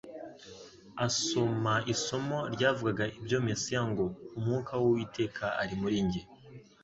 Asoma isomo ryavugaga ibya Mesiya ngo :« Umwuka w'Uwiteka ari muri njye,